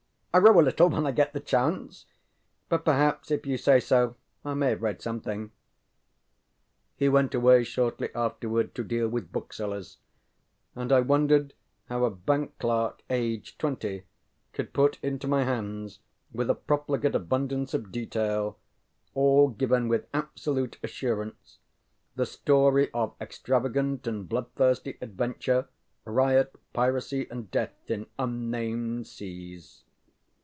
I row a little when I get the chance. But, perhaps, if you say so, I may have read something. ŌĆØ He went away shortly afterward to deal with booksellers, and I wondered how a bank clerk aged twenty could put into my hands with a profligate abundance of detail, all given with absolute assurance, the story of extravagant and bloodthirsty adventure, riot, piracy, and death in unnamed seas.